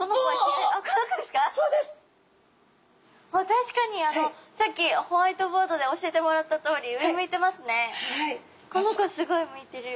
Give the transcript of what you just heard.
確かにさっきホワイトボードで教えてもらったとおりこの子すごい向いてる。